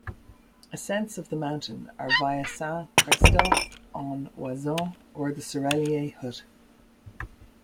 Ascents of the mountain are via Saint-Christophe-en-Oisans or the Soreiller hut.